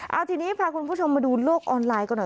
เอาทีนี้พาคุณผู้ชมมาดูโลกออนไลน์กันหน่อย